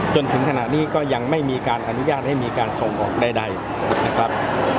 จนถึงขณะนี้ก็ยังไม่มีการอนุญาตให้มีการส่งออกใดนะครับ